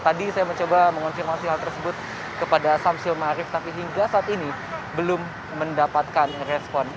tadi saya mencoba mengonfirmasi hal tersebut kepada samsul marif tapi hingga saat ini belum mendapatkan respon